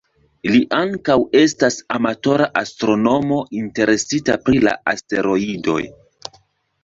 Li ankaŭ estas amatora astronomo interesita pri la asteroidoj.